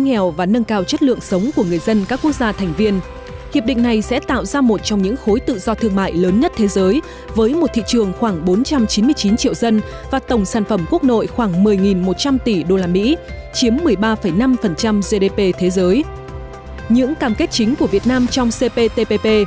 những cam kết chính của việt nam trong cptpp